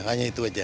hanya itu saja